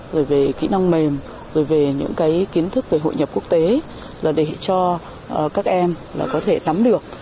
rồi về kỹ năng mềm rồi về những cái kiến thức về hội nhập quốc tế là để cho các em có thể nắm được